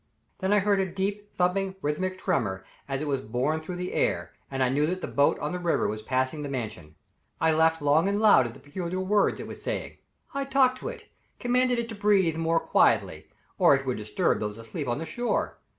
Then I heard a deep, thumping, rhythmic tremor as it was borne through the air, and I knew that the boat on the river was passing the Mansion. I laughed long and loud at the peculiar words it was saying. I talked to it, commanded it to breathe more quietly, or it would disturb those asleep on the shore.